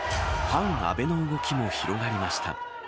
反安倍の動きも広がりました。